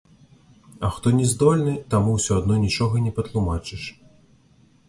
А хто не здольны, таму ўсё адно нічога не патлумачыш.